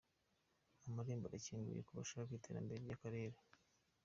Amarembo arakinguye ku bashaka iterambere ry’akarere